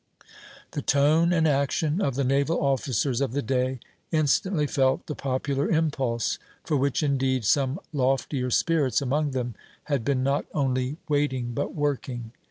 The tone and action of the naval officers of the day instantly felt the popular impulse, for which indeed some loftier spirits among them had been not only waiting but working.